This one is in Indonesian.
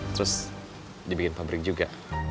terus dibikin pabrik juga